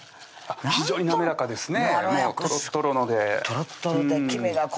非常に滑らかですね